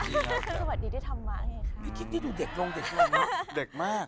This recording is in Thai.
คิดที่ดูเด็กลงเด็กมาก